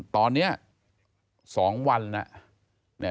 ตอนเนี่ย๒วันนะ